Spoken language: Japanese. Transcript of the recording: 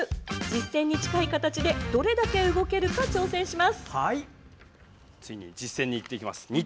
実戦に近い形でどれだけ動けるか挑戦します。